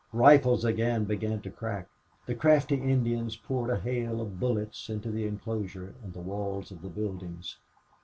Rifles again began to crack. The crafty Indians poured a hail of bullets into the inclosure and the walls of the buildings.